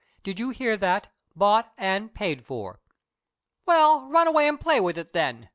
Do you hear that? Bought and paid for!" "Well, run away and play with it, then!"